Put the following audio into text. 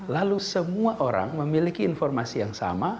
lalu semua orang memiliki informasi yang sama